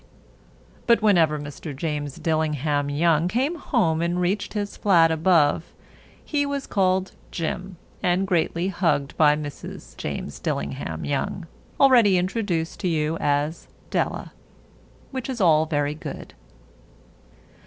But whenever Mr. James Dillingham Young came home and reached his flat above he was called "Jim" and greatly hugged by Mrs. James Dillingham Young, already introduced to you as Della. Which is all very good.